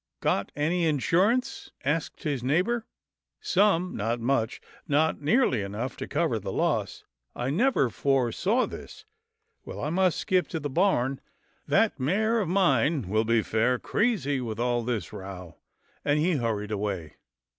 " Got any insurance ?" asked his neighbour. " Some — not much, not nearly enough to cover the loss. I never foresaw this — well, I must skip to the barn. That mare of mine will be fair crazy with all this row," and he hurried away.